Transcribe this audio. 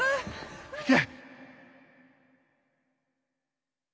行け。